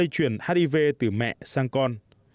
chuyển hiv từ mẹ sang con